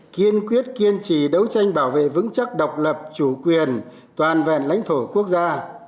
kiên quyết kiên trì đấu tranh bảo vệ vững chắc độc lập chủ quyền toàn vẹn lãnh thổ quốc gia